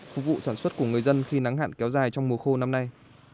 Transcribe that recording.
phục vụ sản xuất của người dân khi nắng hạn kéo dài trong mùa khô năm nay